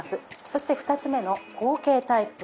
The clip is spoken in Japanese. そして２つ目の後傾タイプ。